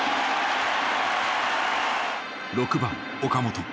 ６番岡本。